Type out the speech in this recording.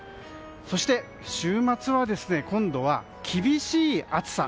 そして、週末は今度は厳しい暑さ。